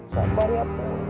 sabar ya pur